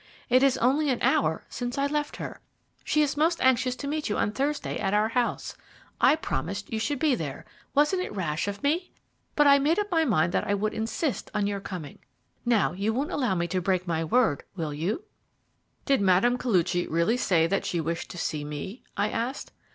It is only an hour since I left her. She is most anxious to meet you on Thursday at our house. I promised you should be there wasn't it rash of me? But I made up my mind that I would insist on your coming. Now, you won't allow me to break my word, will you?" "Did Mme. Koluchy really say that she wished to see me?" I asked.